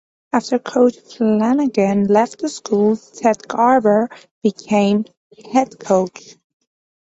After Coach Flanagan left the school, Ted Garber became head coach.